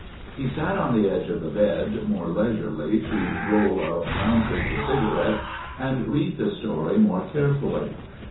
He sat on the edge of the bed, more leisurely to roll a brown paper cigarette and read the story more carefully.